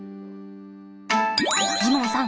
ジモンさん